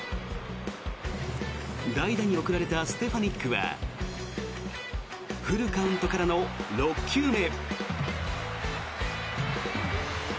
代打に送られたステファニックはフルカウントからの６球目。